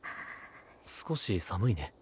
少し寒いね。